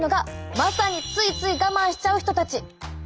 まさについつい我慢しちゃう人たち。